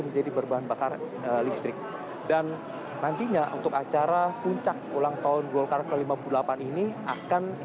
menjadi berbahan bakar listrik dan nantinya untuk acara puncak ulang tahun golkar ke lima puluh delapan ini akan